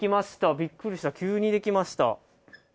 びっくりした、急にできました。